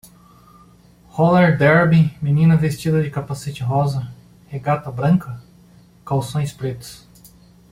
Roller derby menina vestida de capacete rosa? regata branca? e calções pretos.